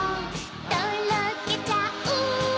とろけちゃう